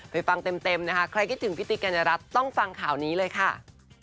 ฟังเต็มนะคะใครคิดถึงพี่ติ๊กกัญญรัฐต้องฟังข่าวนี้เลยค่ะ